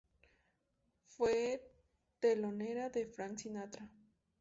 Fue telonera de Frank Sinatra.